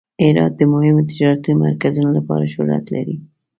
هرات د مهمو تجارتي مرکزونو لپاره شهرت لري.